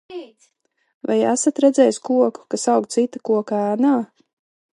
Vai esat redzējis koku, kas aug cita koka ēnā?